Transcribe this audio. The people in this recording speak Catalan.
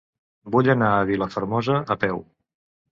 Vull anar a Vilafermosa a peu.